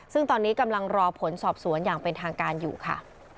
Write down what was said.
ซึ่งตอนนี้กำลังรอผลสอบสวนอย่างเป็นทางการอยู่ค่ะ